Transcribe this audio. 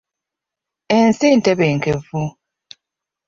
Ensi ntebenkevu.